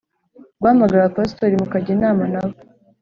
Guhamagara abapasitori mukajya inama nabo